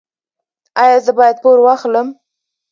ایا زه باید پور واخلم؟